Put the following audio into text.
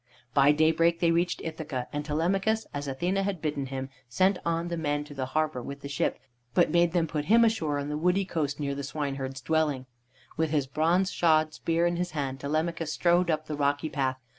By daybreak they reached Ithaca, and Telemachus, as Athene had bidden him, sent on the men to the harbor with the ship, but made them put him ashore on the woody coast near the swineherd's dwelling. With his bronze shod spear in his hand, Telemachus strode up the rocky path.